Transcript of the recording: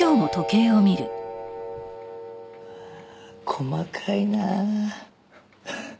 細かいなあ。